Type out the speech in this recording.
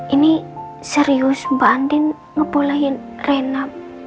ini serius mbak andin ngebolehin rena